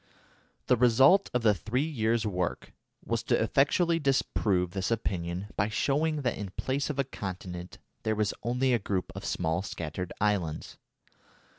The result of the three years' work was to effectually disprove this opinion by showing that in place of a continent there was only a group of small scattered islands.